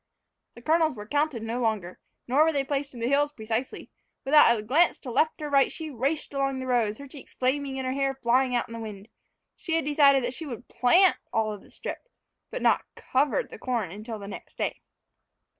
The kernels were counted no longer, nor were they placed in the hills precisely. Without a glance to right or left, she raced along the rows, her cheeks flaming and her hair flying out in the wind. She had decided that she would plant all of the strip but not cover the corn until next day.